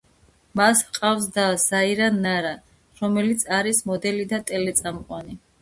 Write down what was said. მას ჰყავს და, ზაირა ნარა, რომელიც არის მოდელი და ტელე-წამყვანი.